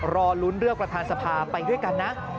รอลุ้นเลือกประธานสภาไปด้วยกันนะ